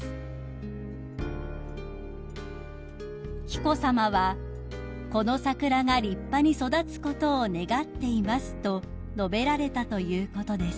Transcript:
［紀子さまは「この桜が立派に育つことを願っています」と述べられたということです］